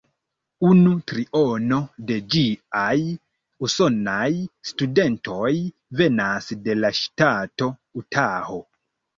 Unu triono de ĝiaj usonaj studentoj venas de la ŝtato Utaho.